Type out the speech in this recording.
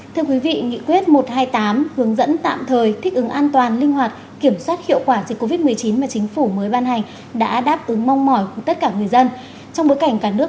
thưa quý vị nghị quyết một trăm hai mươi tám hướng dẫn tạm thời thích ứng an toàn linh hoạt kiểm soát hiệu quả dịch covid một mươi chín mà chính phủ mới ban hành đã đáp ứng mong mỏi của tất cả người dân